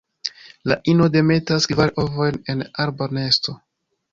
La ino demetas kvar ovojn en arba nesto.